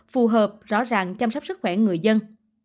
phù hợp rõ ràng chăm sóc sức khỏe người dân